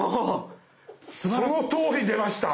そのとおり出ました。